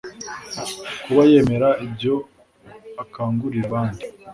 kuba yemera ibyo akangurira abandi